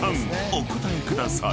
お答えください］